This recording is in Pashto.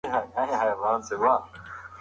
بزګر په ډېرې مېړانې خپل ژوند د امید سره تېر کړ.